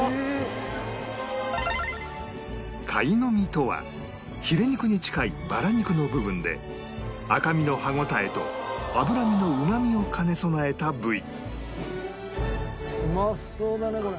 カイノミとはヒレ肉に近いバラ肉の部分で赤身の歯応えと脂身のうまみを兼ね備えた部位